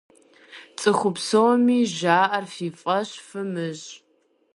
ЦӀыху псоми жаӀэр фи фӀэщ фымыщӀ!